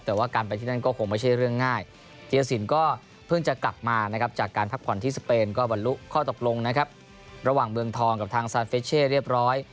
แต่ว่าการไปที่นั่นก็คงไม่ใช่เรื่องง่าย